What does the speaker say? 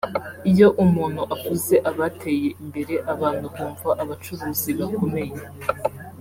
Iyo umuntu avuze abateye imbere abantu bumva abacuruzi bakomeye